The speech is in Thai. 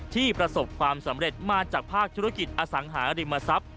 ประสบความสำเร็จมาจากภาคธุรกิจอสังหาริมทรัพย์